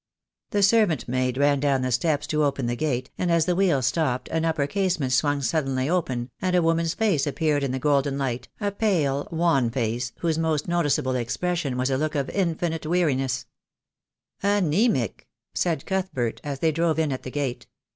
The servant maid ran down the steps to open the gate, and as the wheels stopped an upper casement swung suddenly open, and a woman's face appeared in the golden light, a pale, wan face, whose most noticeable expression was a look of infinite weariness — "Anaemic," said Cuthbert, as they drove in at the gate.